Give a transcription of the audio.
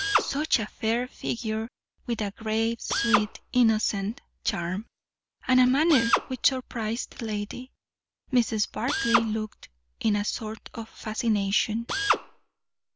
Such a fair figure, with a grave, sweet, innocent charm, and a manner which surprised the lady. Mrs. Barclay looked, in a sort of fascination.